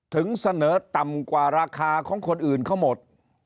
ถึงเสนอต่ำกว่าราคาของคนอื่นเขาหมด